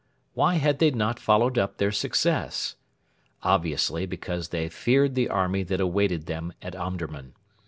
Why had they not followed up their success? Obviously because they feared the army that awaited them at Omdurman.